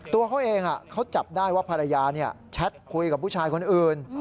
ตัวเขาเองเขาจับได้ว่าภรรยาแชทคุยกับผู้ชายคนอื่น